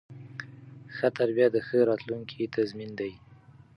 ښه تربیه د ښه راتلونکي تضمین دی.